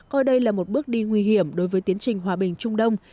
coi đây là một bước đi nguy hiểm đối với tiến trình hòa bình trung đông